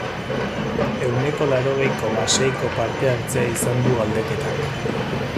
Ehuneko laurogei, koma, seiko parte-hartzea izan du galdeketak.